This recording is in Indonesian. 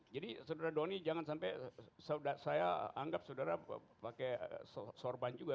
jadi saudara doni jangan sampai saya anggap saudara pakai sorban juga